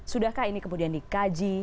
sudahkah ini kemudian dikaji